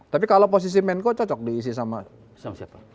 tapi kalau posisi menko cocok diisi sama siapa